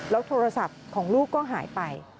โทรศัพท์ของลูกก็หายไป